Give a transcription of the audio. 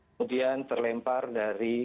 kemudian terlempar dari